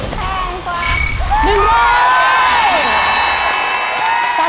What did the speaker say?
แพงกว่าแพงกว่า